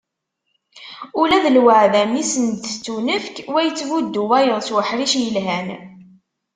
Ula d lwaεda mi asen-d-tettunefk, wa ittbuddu wayeḍ s uḥric yelhan.